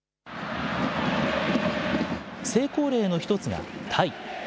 成功例の一つがタイ。